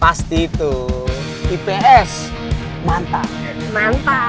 pasti bete bisa lebih keren dari anak ipa